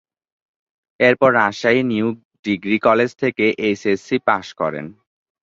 এর পর Rajshahi new degree college থেকে এইচএসসি পাশ করেন।